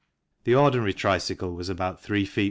The ordinary tricycle was about 3 ft.